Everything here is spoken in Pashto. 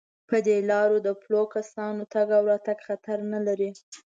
په دې لارو د پلو کسانو تگ او راتگ خطر نه لري.